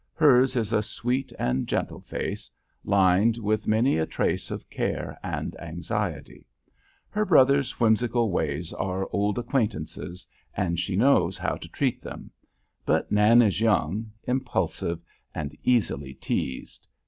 Hers is a sweet and gentle face, lined with many a trace of care and anxiety. Her brother's whimsical ways are old acquaintances, and she knows how to treat them; but Nan is young, impulsive, and easily teased.